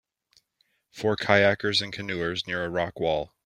Four kayakers and canoers near a rock wall.